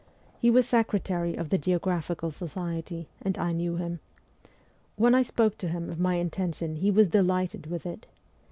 He was secretary of the Geographical Society, and I knew him. When I spoke to him of my intention he was delighted with it.